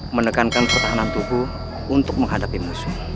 menekankan pertahanan tubuh untuk menghadapi musuh